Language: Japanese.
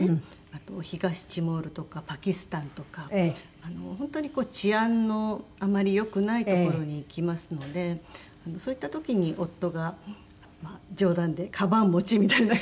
あと東ティモールとかパキスタンとか本当に治安のあまり良くない所に行きますのでそういった時に夫が冗談でかばん持ちみたいな感じで。